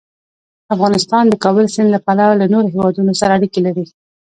افغانستان د د کابل سیند له پلوه له نورو هېوادونو سره اړیکې لري.